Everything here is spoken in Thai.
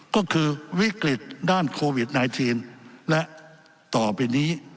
ก็คือวิกฤตด้านโควิด๑๙และต่อไปนี้